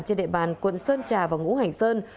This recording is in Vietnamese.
trên địa bàn quận sơn trà và ngũ hành sơn